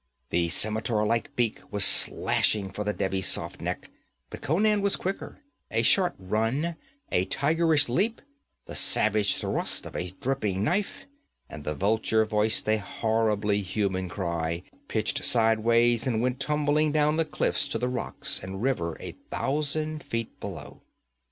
The scimitar like beak was slashing for the Devi's soft neck, but Conan was quicker a short run, a tigerish leap, the savage thrust of a dripping knife, and the vulture voiced a horribly human cry, pitched sideways and went tumbling down the cliffs to the rocks and river a thousand feet below.